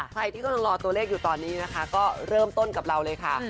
ใครที่กำลังรอตัวเลขอยู่ตอนนี้นะคะก็เริ่มต้นกับเราเลยค่ะ